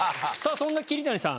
そんな桐谷さん